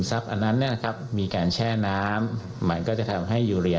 ซับอันนั้นเนี้ยครับมีการแช่น้ำมันก็จะทำให้ยุเรีย